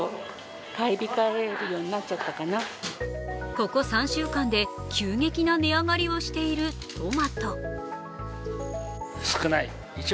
ここ３週間で急激な値上がりをしているトマト。